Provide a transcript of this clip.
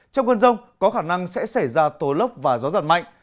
trong cơn rông có khả năng sẽ xảy ra tố lốc và gió giật mạnh